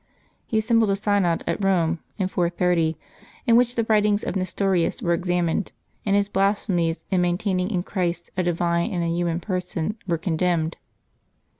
He assembled a synod at Rome in 430, in which the writings of Nestorius were examined, and his blasphemies in maintaining in Christ a divine and a human person were condemned.